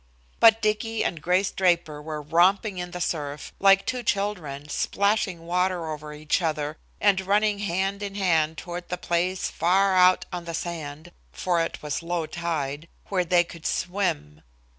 But Dicky and Grace Draper were romping in the surf, like two children, splashing water over each other, and running hand in hand toward the place far out on the sand for it was low tide where they could swim.